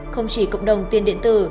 không chỉ cộng đồng tiền điện tử